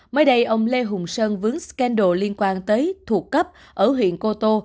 mới đây ông lê hùng sơn vướng scander liên quan tới thuộc cấp ở huyện cô tô